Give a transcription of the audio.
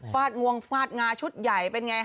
ฟาดงวงฟาดงาชุดใหญ่เป็นอย่างไร